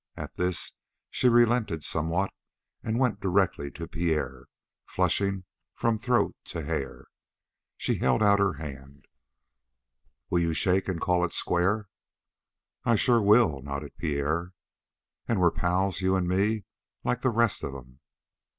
At this she relented somewhat, and went directly to Pierre, flushing from throat to hair. She held out her hand. "Will you shake and call it square?" "I sure will," nodded Pierre. "And we're pals you and me, like the rest of 'em?"